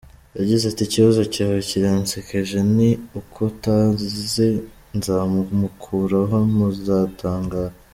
Yagize ati “Ikibazo cyawe kiransekeje ni uko utanzi, nzamumukuraho muzatangara.